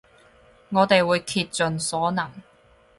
我哋會竭盡所能